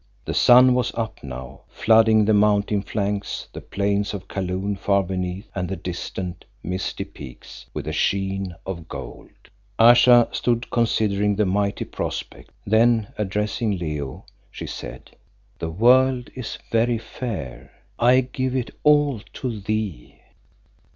The sun was up now, flooding the Mountain flanks, the plains of Kaloon far beneath and the distant, misty peaks with a sheen of gold. Ayesha stood considering the mighty prospect, then addressing Leo, she said "The world is very fair; I give it all to thee."